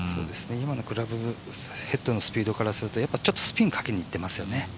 今のクラブヘッドのスピードからするとちょっとスピンかけにいってますよね。